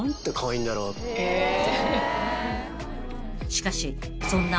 ［しかしそんな］